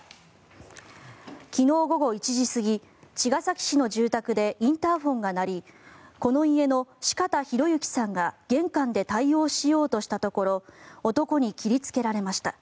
昨日午後１時過ぎ茅ヶ崎市の住宅でインターホンが鳴りこの家の四方洋行さんが玄関で対応しようとしたところ男に切りつけられました。